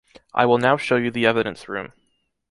I will now show you the evidence room.